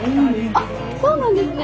あっそうなんですね。